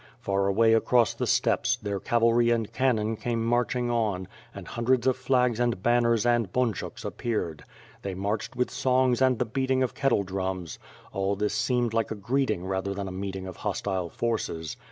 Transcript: Far away across the steppes, their cavalry and cannon came marching on, and hundreds of flags and banners and bunchuks appeared. They marched with songs and the beating of kettle drums. All this seemed more like a greeting than a meeting of hostile forces.